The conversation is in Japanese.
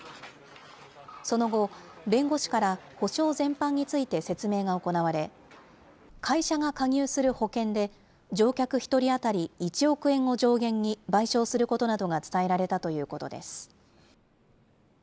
その後、弁護士から補償全般について説明が行われ、会社が加入する保険で、乗客１人当たり１億円を上限に賠償することなどが伝えられたということです。